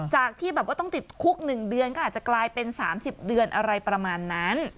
จากที่แบบว่าต้องติดคุก๑เดือนก็อาจจะกลายเป็น๓๐เดือนอะไรประมาณนั้น